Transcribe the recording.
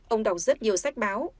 ông đọc rất nhiều sách báo